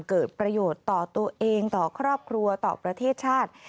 เกิดประโยชน์ต่อตัวเองต่อครอบครัวต่อประเทศชาติ